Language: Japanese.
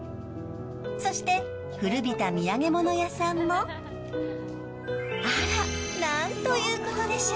そして古びた土産物屋さんもあらなんということでしょう。